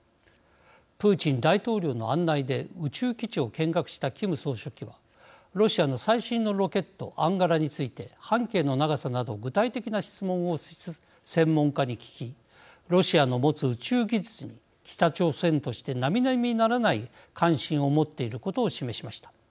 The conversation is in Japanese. プーチン大統領の案内で宇宙基地を見学したキム総書記はロシアの最新のロケットアンガラについて半径の長さなど具体的な質問を専門家に聞きロシアの持つ宇宙技術に北朝鮮としてなみなみならない関心を持っていることを示しました。